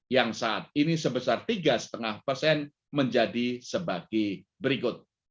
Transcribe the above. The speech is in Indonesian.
yang saat ini sebesar tiga lima persen menjadi sebagai berikut